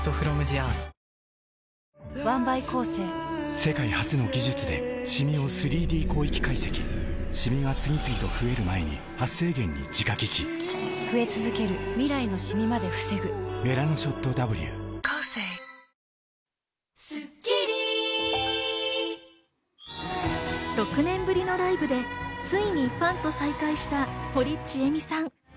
世界初の技術でシミを３Ｄ広域解析シミが次々と増える前に「メラノショットＷ」６年ぶりのライブでついにファンと再会した堀ちえみさん。